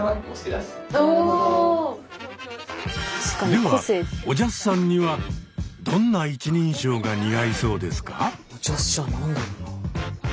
ではおじゃすさんにはどんな一人称が似合いそうですか？